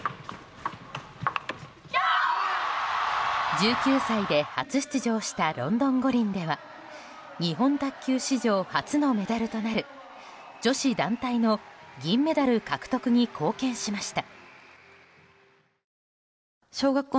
１９歳で初出場したロンドン五輪では日本卓球史上初のメダルとなる女子団体の銀メダル獲得に貢献しました。